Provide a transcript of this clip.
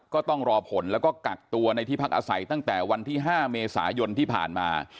ก็ต้องรอผลแล้วก็กักตัวในที่พักอาศัยตั้งแต่วันที่๕เมษายนที่ผ่านมา